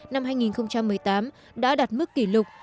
năm hai nghìn một mươi tám đã đạt mức kỷ lục